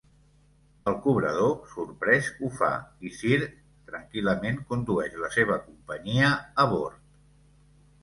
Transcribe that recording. El cobrador, sorprès, ho fa, i Sir tranquil·lament condueix la seva companyia abord.